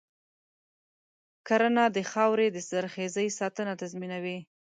کرنه د خاورې د زرخیزۍ ساتنه تضمینوي.